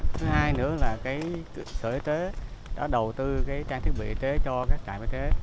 thứ hai nữa là sở y tế đã đầu tư trang thiết bị y tế cho các trạm y tế